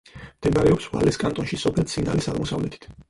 მდებარეობს ვალეს კანტონში, სოფელ ცინალის აღმოსავლეთით.